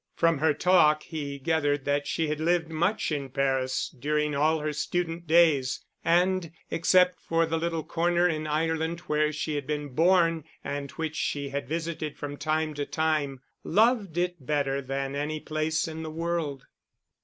From her talk he gathered that she had lived much in Paris during all her student days and except for the little corner in Ireland where she had been born and which she had visited from time to time, loved it better than any place in the world.